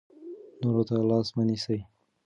نورو ته لاس مه نیسئ.